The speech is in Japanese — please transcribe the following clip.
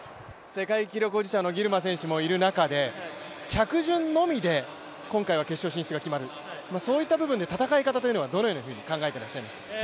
世界記録保持者のギルマ選手もいる中で、着順のみで今回は決勝進出が決まる、そういった意味で、戦い方はどのように考えてらっしゃいましたか？